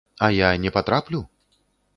А я не патраплю?